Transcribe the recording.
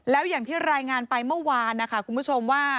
แล้วอย่างที่รายงานไปเมื่อวานนะคะคุณผู้ชมว่า